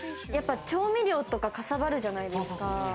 調味料とか、かさばるじゃないですか。